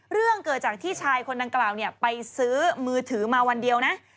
เรื่องเกิดจากที่ชายคนดังกล่าวไปซื้อมือถือมาวันเดียวนะ